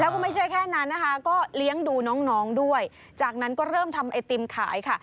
แล้วก็ไม่ใช่แค่นั้นนะคะก็เลี้ยงดูน้องน้องด้วยจากนั้นก็เริ่มทำไอติมขายค่ะ